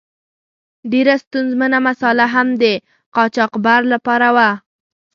ډیره ستونزمنه مساله هم د قاچاقبر له پاره وه.